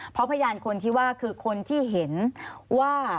เพราะพยานคนที่ว่าคือคนที่เห็นว่า